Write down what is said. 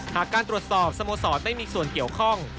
หากการตรวจสอบสโมสรไม่มีส่วนเกี่ยวข้อง